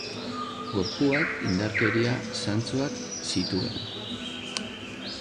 Gorpuak indarkeria zantzuak zituen.